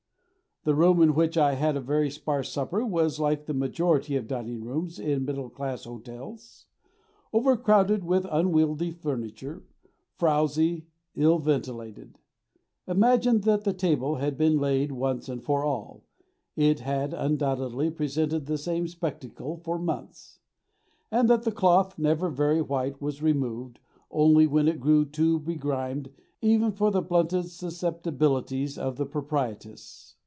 The room in which I had a very sparse supper was like the majority of dining rooms in middle class hotels: overcrowded with unwieldy furniture, frowsy, ill ventilated; imagine that the table had been laid once and for all (it had undoubtedly presented the same spectacle for months), and that the cloth, never very white, was removed, only, when it grew too begrimed even for the blunted susceptibilities of the proprietress.